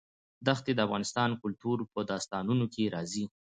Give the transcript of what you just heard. دښتې د افغان کلتور په داستانونو کې راځي.